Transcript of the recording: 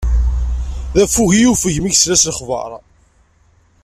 D affug i yuffeg mi yesla s lexbaṛ.